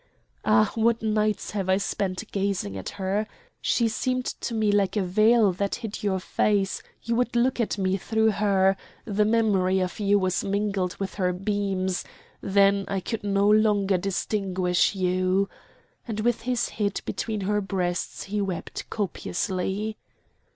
"Ah, what nights have I spent gazing at her! she seemed to me like a veil that hid your face; you would look at me through her; the memory of you was mingled with her beams; then I could no longer distinguish you!" And with his head between her breasts he wept copiously.